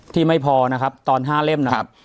ไม่พอนะครับตอน๕เล่มนะครับ